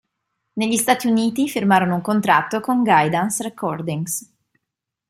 Negli Stati Uniti, firmarono un contratto con Guidance Recordings.